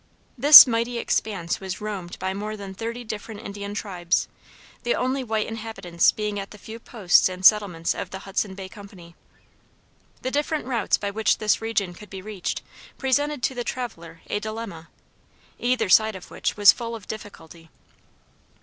This mighty expanse was roamed by more than thirty different Indian tribes; the only white inhabitants being at the few posts and settlements of the Hudson Bay Company. The different routes by which this region could be reached presented to the traveler a dilemma, either side of which was full of difficulty.